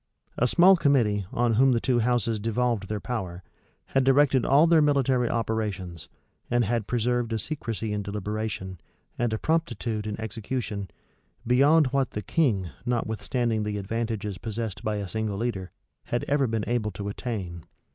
A small committee, on whom the two houses devolved their power, had directed all their military operations, and had preserved a secrecy in deliberation, and a promptitude in execution, beyond what the king, notwithstanding the advantages possessed by a single leader, had ever been able to attain.